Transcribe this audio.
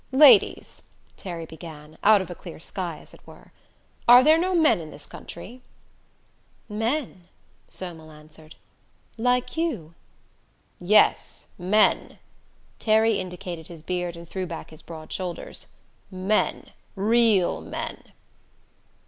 "Ladies," Terry began, out of a clear sky, as it were, "are there no men in this country?" "Men?" Somel answered. "Like you?" "Yes, men," Terry indicated his beard, and threw back his broad shoulders. "Men, real men."